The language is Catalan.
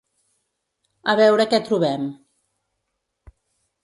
A veure què trobem.